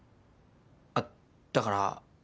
あっだから。